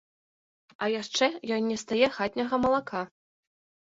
А яшчэ ёй нестае хатняга малака.